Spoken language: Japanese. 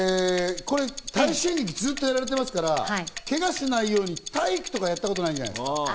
大衆演劇をずっとやられてますから、けがしないように体育とかやったことないんじゃない？